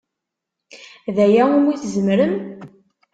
D aya umi tzemrem?